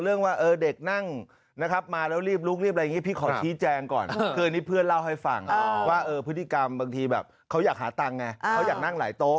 แล้วเราก็เลือกเพลงเข้าไปก็แค่นั้น